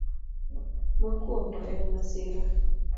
Mokwongo, en masira.